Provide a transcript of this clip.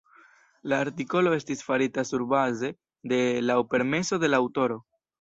La artikolo estis farita surbaze de laŭ permeso de la aŭtoro.